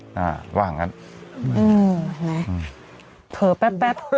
อ่าว่าอย่างงั้นอืมไงเผลอแป๊บแป๊บ